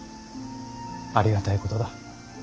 ありがたいことだ。